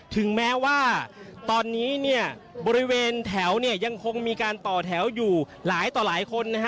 ถึงแม้ว่าตอนนี้เนี่ยบริเวณแถวเนี่ยยังคงมีการต่อแถวอยู่หลายต่อหลายคนนะฮะ